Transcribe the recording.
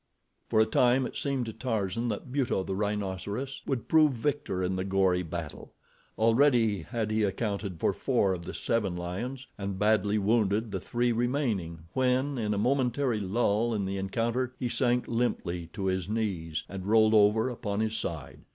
For a time it seemed to Tarzan that Buto, the rhinoceros, would prove victor in the gory battle. Already had he accounted for four of the seven lions and badly wounded the three remaining when in a momentary lull in the encounter he sank limply to his knees and rolled over upon his side.